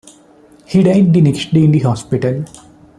He died the next day in the hospital.